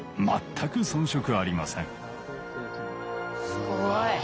すごい。